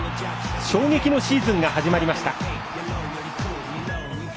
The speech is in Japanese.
衝撃のシーズンが始まりました。